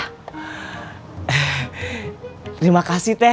terima kasih teh